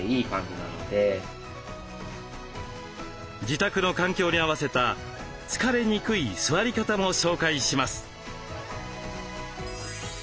自宅の環境に合わせた疲れにくい座り方も紹介します。